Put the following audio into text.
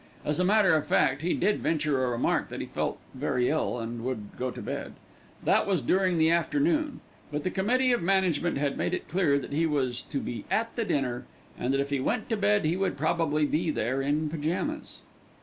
As a matter of fact he did venture a remark that he felt very ill, and would go to bed. That was during the afternoon. But the Committee of Management had made it clear that he was to be at the dinner, and that if he went to bed he would probably be there in pyjamas.